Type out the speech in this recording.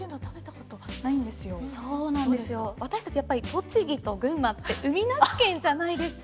やっぱり栃木と群馬って海なし県じゃないですか。